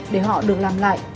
để họ được làm lại